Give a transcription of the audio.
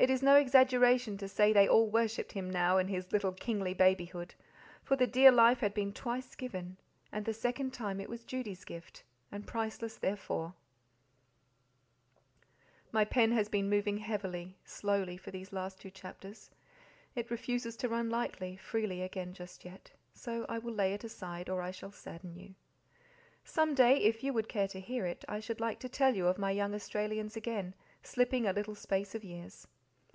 It is no exaggeration to say that they all worshipped him now in his little kingly babyhood, for the dear life had been twice given, and the second time it was Judy's gift, and priceless therefore. My pen has been moving heavily, slowly, for these last two chapters; it refuses to run lightly, freely again just yet, so I will lay it aside, or I shall sadden you. Some day, if you would care to hear it, I should like to tell you of my young Australians again, slipping a little space of years.